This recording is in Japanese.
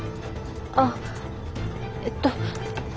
あっえっと。